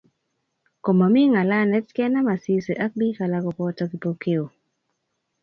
Komomi ngalalet kenam Asisi ak bik alak koboto Kipokeo